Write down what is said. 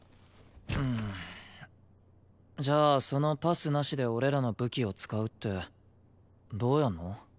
うーん。じゃあそのパスなしで俺らの武器を使うってどうやんの？